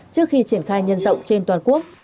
trước khi triển khai nhân rộng trên toàn quốc